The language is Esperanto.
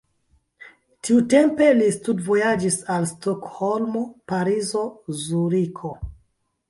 Tiutempe li studvojaĝis al Stokholmo, Parizo, Zuriko.